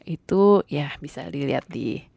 itu ya bisa dilihat di